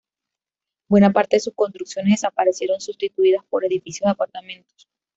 Buena parte de sus construcciones desaparecieron sustituidas por edificios de apartamentos.